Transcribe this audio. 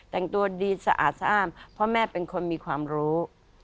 แต่งตัวดีสะอาดอ้ามเพราะแม่เป็นคนมีความรู้